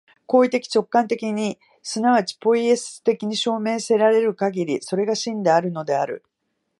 行為的直観的に即ちポイエシス的に証明せられるかぎり、それが真であるのである。